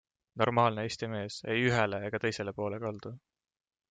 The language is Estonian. Normaalne Eesti mees, ei ühele ega teisele poole kaldu.